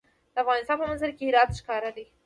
د افغانستان په منظره کې هرات ښکاره دی.